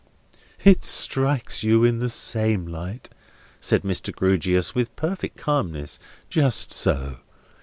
"It strikes you in the same light," said Mr. Grewgious, with perfect calmness. "Just so.